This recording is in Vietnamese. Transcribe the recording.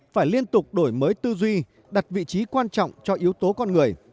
phải liên tục đổi mới tư duy đặt vị trí quan trọng cho yếu tố con người